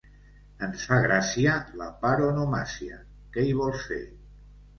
Ens fa gràcia la paronomàsia, què hi vols fer.